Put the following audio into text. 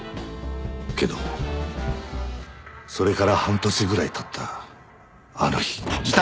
けどそれから半年ぐらいたったあの日。